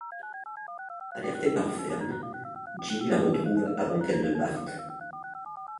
Alerté par Fern, Jimmy la retrouve avant qu'elle ne parte.